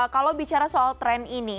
kalau bicara soal tren ini